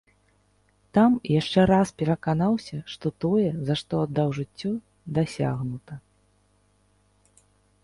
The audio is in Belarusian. Там яшчэ раз пераканаўся, што тое, за што аддаў жыццё, дасягнута.